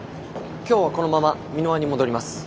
今日はこのまま美ノ和に戻ります。